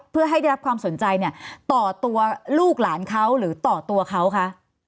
เพื่อให้ได้รับความสนใจเนี่ยต่อตัวลูกหลานเขาหรือต่อตัวเขาคะ